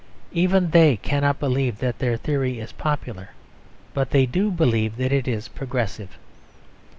Even they cannot believe that their theory is popular, but they do believe that it is progressive.